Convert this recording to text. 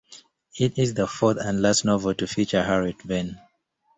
It is the fourth and last novel to feature Harriet Vane.